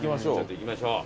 行きましょう。